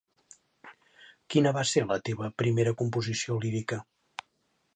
Quina va ser la seva primera composició lírica?